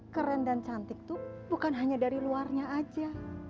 keren dan cantik tuh bukan hanya dari luarnya aja